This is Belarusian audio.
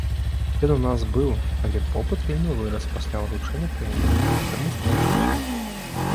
Ён у нас быў, але попыт вельмі вырас пасля ўручэння прэміі, і таму скончыўся.